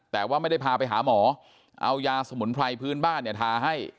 แต่ว่าไม่ได้พาไปหาหมอเอายาสมุนไพรพื้นบ้านเนี่ยทาให้